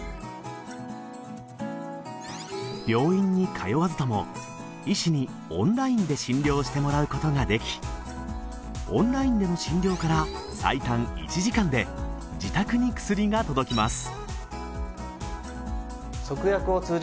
病院に通わずとも医師にオンラインで診療してもらうことができオンラインでの診療から最短１時間で自宅に薬が届きます